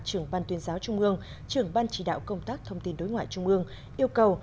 trưởng ban tuyên giáo trung ương trưởng ban chỉ đạo công tác thông tin đối ngoại trung ương yêu cầu